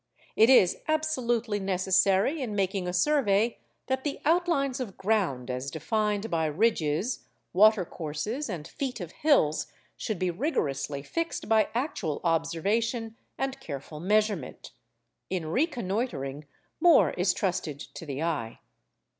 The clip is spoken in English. It is absolutely necessary in making a survey that the outlines of ground as defined by ridges, water courses, and feet of hills should be rigorously fixed by actual observation and careful measurement. In reconnoitring, more is trusted to the eye.